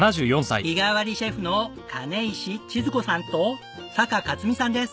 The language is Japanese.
日替わりシェフの金石千寿子さんと坂勝美さんです。